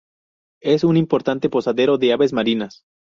Es un importante posadero de aves marinas.